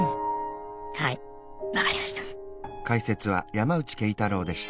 はい分かりました。